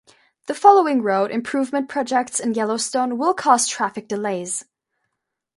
The following road improvement projects in Yellowstone will cause traffic delays.